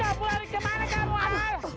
jangan lari kau pulang kemana kau